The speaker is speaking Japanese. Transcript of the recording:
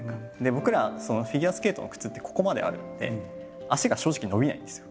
僕らフィギュアスケートの靴ってここまであるんで足が正直伸びないんですよ。